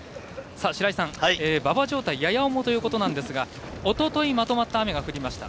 白井さん、馬場状態やや重ということですがおととい、まとまった雨が降りました。